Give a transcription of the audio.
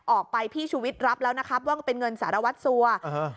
ออกไปพี่ชูวิทย์รับแล้วนะครับว่ามันเป็นเงินสารวัตรสัว